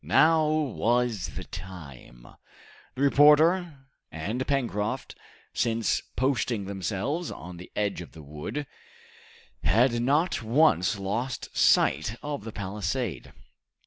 Now was the time. The reporter and Pencroft, since posting themselves on the edge of the wood, had not once lost sight of the palisade.